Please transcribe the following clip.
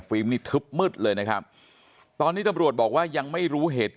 นี่ทึบมืดเลยนะครับตอนนี้ตำรวจบอกว่ายังไม่รู้เหตุ